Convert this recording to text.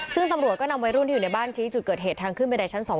ซึ่งตำรวจก็นำวัยรุ่นที่อยู่ในบ้านชี้จุดเกิดเหตุทางขึ้นบันไดชั้น๒